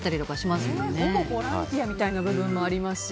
ほぼボランティアみたいな部もありますし